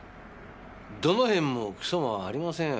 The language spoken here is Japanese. どの辺もクソもありませんよ。